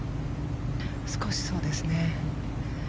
少しそうですね。